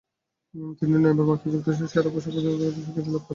তিনি নয়বার মার্কিন যুক্তরাষ্ট্রে সেরা পোশাক পরিধানকারীর স্বীকৃতি লাভ করেন।